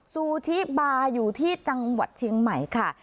ซูชิบาอยู่ที่จังหวัดเชียงใหม่ค่ะ